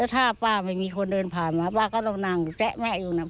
ถ้าป้าไม่มีคนเดินผ่านมาป้าก็ต้องนั่งแจ๊ะแม่อยู่นะ